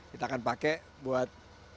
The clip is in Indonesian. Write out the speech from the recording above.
kita akan pakai buat